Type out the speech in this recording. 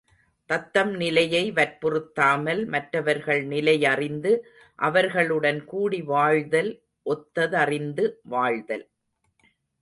தம்தம் நிலையை வற்புறுத்தாமல் மற்றவர்கள் நிலையறிந்து அவர்களுடன் கூடி வாழ்தல் ஒத்ததறிந்து வாழ்தல்.